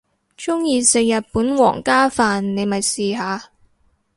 鍾意食日本皇家飯你咪試下